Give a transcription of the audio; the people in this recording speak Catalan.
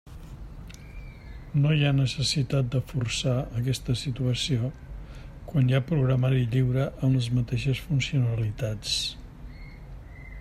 No hi ha necessitat de forçar aquesta situació quan hi ha programari lliure amb les mateixes funcionalitats.